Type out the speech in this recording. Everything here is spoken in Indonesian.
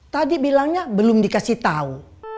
tadi bilangnya belum dikasih tahu